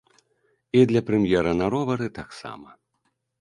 І для прэм'ера на ровары таксама.